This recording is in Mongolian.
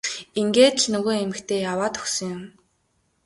Ингээд л нөгөө эмэгтэй яваад өгсөн юм.